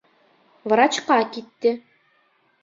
Врачҡа китте.